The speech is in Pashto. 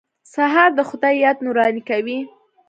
سهار د خدای یاد نوراني کوي.